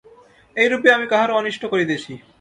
এইরূপে আমি কাহারও অনিষ্ট করিতেছি।